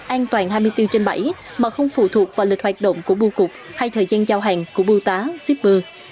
an toàn hai mươi bốn trên bảy mà không phụ thuộc vào lịch hoạt động của bưu cục hay thời gian giao hàng của bưu tá shipper